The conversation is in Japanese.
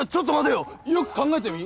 よく考えてみ！